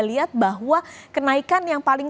lihat bahwa kenaikan yang paling